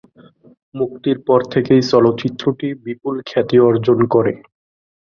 মুক্তির পর থেকেই চলচ্চিত্রটি বিপুল খ্যাতি অর্জন করে।